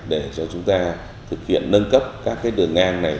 để cho chúng ta thực hiện nâng cấp các cái đường ngang này